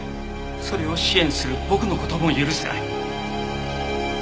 それを支援する僕の事も許せない。